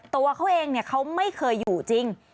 ตัวเขาเองเขาไม่เคยอยู่จริง